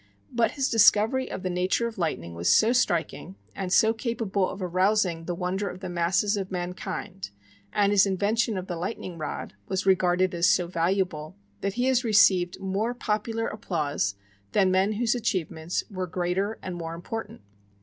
But his discovery of the nature of lightning was so striking and so capable of arousing the wonder of the masses of mankind and his invention of the lightning rod was regarded as so valuable that he has received more popular applause than men whose achievements were greater and more important.